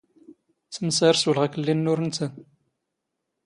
ⵜⵎⵙⴰⵔ ⵙⵓⵍ ⵖⵉⴽⵍⵍⵉ ⵏⵏ ⵓⵔ ⵏⵜⴰⵎ.